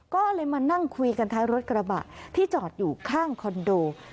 ก็เลยมานั่งคุยกันท้ายรถกระบะที่จอดอยู่ข้างคอนโด